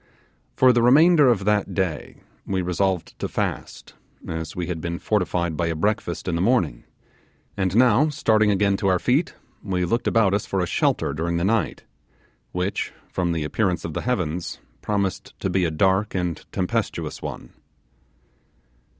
For the remainder of that day we resolved to fast, as we had been fortified by a breakfast in the morning; and now starting again to our feet, we looked about us for a shelter during the night, which, from the appearance of the heavens, promised to be a dark and tempestuous one.